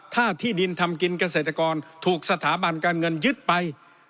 ถ้าที่ดินทำกินเกษตรกรถูกสถาบันการเงินยึดไป